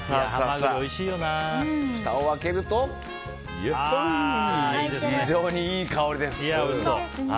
ふたを開けると非常にいい香りです。